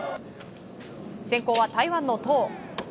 先攻は台湾のトウ。